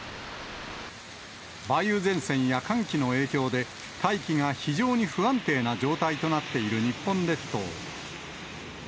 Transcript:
梅雨前線や寒気の影響で、大気が非常に不安定な状態となっている日本列島。